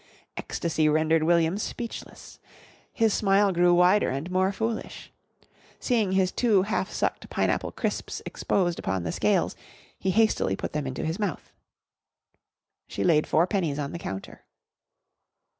Ecstasy rendered William speechless. His smile grew wider and more foolish. Seeing his two half sucked Pineapple Crisps exposed upon the scales, he hastily put them into his mouth. She laid four pennies on the counter.